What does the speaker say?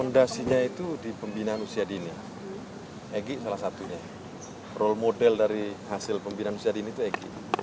fondasinya itu di pembinaan usia dini egy salah satunya role model dari hasil pembinaan usia dini itu egy